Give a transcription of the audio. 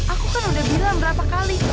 aku kan udah bilang berapa kali